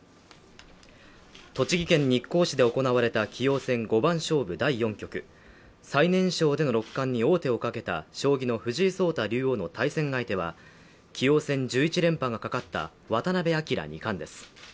栃木県日光市で行われた棋王戦五番勝負第４局、最年少での六冠に王手をかけた将棋の藤井聡太竜王の対戦相手は、棋王戦１１連覇が懸かった渡辺明二冠です。